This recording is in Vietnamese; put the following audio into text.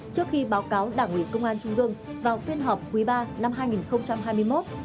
trước khi báo cáo đảng ủy công an trung ương vào phiên họp quý ba năm hai nghìn hai mươi một